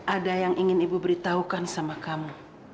ada yang ingin ibu beritahukan sama kamu